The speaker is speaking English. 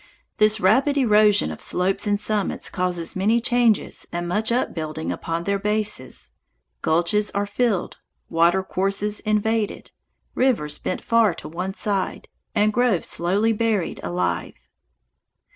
This rapid erosion of slopes and summits causes many changes and much upbuilding upon their bases. Gulches are filled, water courses invaded, rivers bent far to one side, and groves slowly buried alive.